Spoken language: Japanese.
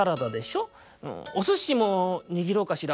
おすしもにぎろうかしら。